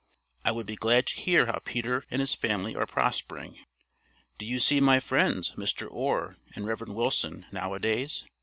I would be glad to hear how Peter and his family are prospering. Do you see my friends, Mr. Orr and Rev. Willson, now a days?